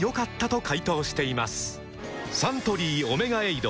サントリー「オメガエイド」